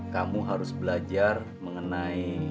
kamu harus belajar mengenai